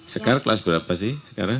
sekarang kelas berapa sih sekarang